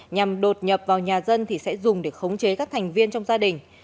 nhằm đột nhập vào nhà dân thì sẽ dùng để khống chế các thành viên trong gia đình